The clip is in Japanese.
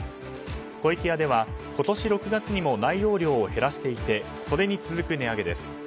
湖池屋では、今年６月にも内容量を減らしていてそれに続く値上げです。